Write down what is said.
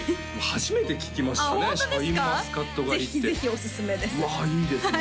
初めて聞きましたねシャインマスカット狩りってぜひぜひおすすめですああいいですね